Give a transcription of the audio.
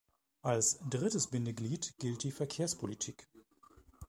Als drittes Bindeglied gilt die Verkehrspolitik.